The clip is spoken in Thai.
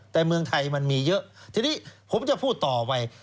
แต่เมืองไทยมันมีเยอะทีนี้ผมจะพูดต่อไป